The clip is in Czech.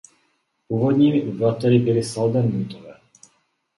Původními obyvateli byli Sadlermiutové.